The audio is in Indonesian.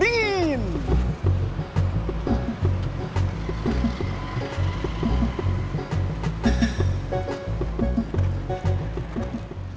toprak banget kong